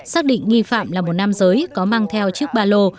xác định nghi phạm là một nam giới có mang theo chiếc ba lô